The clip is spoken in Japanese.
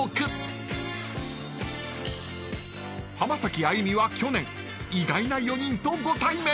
［浜崎あゆみは去年意外な４人とご対面］